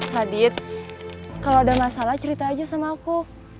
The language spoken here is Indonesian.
hadit kalau ada masalah cerita aja sama aku